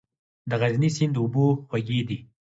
د غزني سیند اوبه خوږې دي